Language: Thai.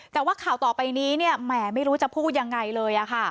แต่ว่าข่าวต่อไปนี้แหมไม่รู้จะพูดยังไงเลย